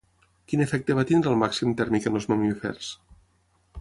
Quin efecte va tenir el màxim tèrmic en els mamífers?